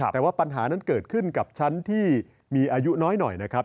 แต่ว่าปัญหานั้นเกิดขึ้นกับชั้นที่มีอายุน้อยหน่อยนะครับ